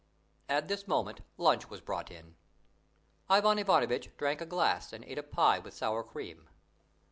At this moment lunch was brought in. Ivan Ivanovitch drank a glass and ate a pie with sour cream.